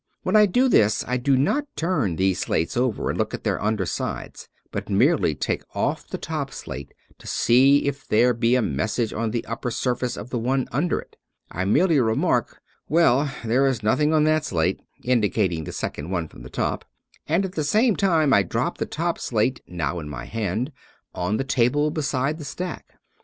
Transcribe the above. When I do this I do not turn these slates over and look on their under sides, but merely take oflf the top slate to see if there be a message on the upper surface of the one under it. I merely remark, " Well, there is noth ing on that slate," indicating the second one from the top ; and at the same time I drop the top slate (now in my hand) on the table beside the stack.